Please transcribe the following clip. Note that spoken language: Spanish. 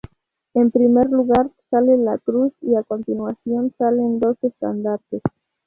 En primer lugar sale la Cruz, y a continuación salen dos estandartes.